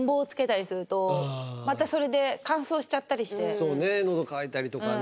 そうね喉渇いたりとかね。